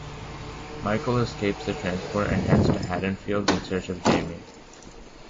Michael escapes the transport and heads to Haddonfield in search of Jamie.